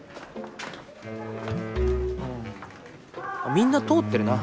みんな通ってるな。